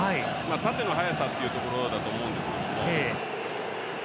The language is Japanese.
縦の速さというところだと思うんですけど。